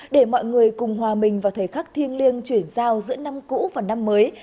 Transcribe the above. để mọi người cùng hòa mình vào thời khắc thiêng liêng chuyển giao giữa năm cũ và năm mới